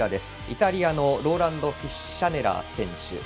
イタリアのローランド・フィッシャネラー選手。